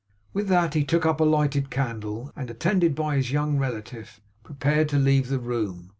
With that he took up a lighted candle, and, attended by his young relative, prepared to leave the room.